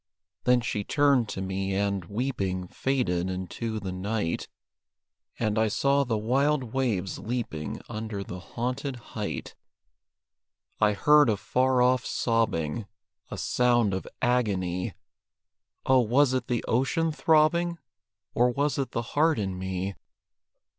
Then she turned to me and, weeping, Faded into the night; And I saw the wild waves leaping Under the haunted height. I heard a far off sobbing, A sound of agony Oh, was it the ocean throbbing? Or was it the heart in me?